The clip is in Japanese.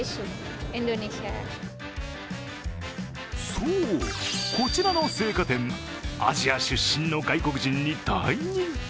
そう、こちらの青果店、アジア出身の外国人に大人気。